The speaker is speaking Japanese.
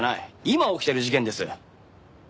今起きている事件です。